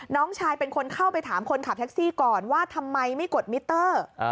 น้องชายเป็นคนเข้าไปถามคนขับแท็กซี่ก่อนว่าทำไมไม่กดมิเตอร์